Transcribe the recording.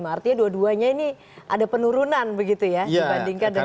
artinya dua duanya ini ada penurunan begitu ya dibandingkan dari dua ribu empat belas